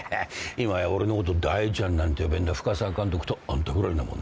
今や俺のこと「大ちゃん」なんて呼べんの深沢監督とあんたぐらいなもんだよ。